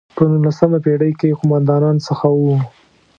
په نولسمه پېړۍ کې قوماندانانو څخه وو.